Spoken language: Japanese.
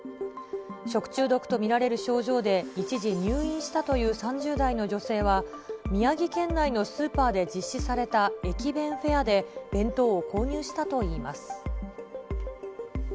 食中毒と見られる症状で一時入院したという３０代の女性は、宮城県内のスーパーで実施された駅弁フェアで弁当を購入したといいます。